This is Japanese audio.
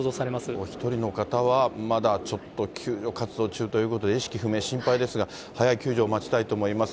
お１人の方はまだちょっと救助活動中ということで意識不明、心配ですが、早い救助を待ちたいと思います。